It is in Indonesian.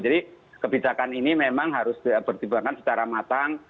jadi kebijakan ini memang harus dipertimbangkan secara matang